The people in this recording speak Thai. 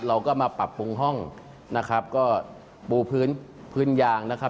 เราก็มาปรับปรุงห้องนะครับก็ปูพื้นพื้นยางนะครับ